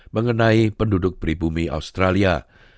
mengenai penduduk pribumi australia